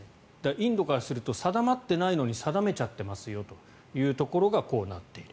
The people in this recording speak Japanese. インドからすると定まっていないのに定めちゃってますよというところがこうなっている。